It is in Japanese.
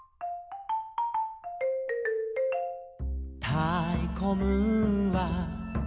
「たいこムーンは」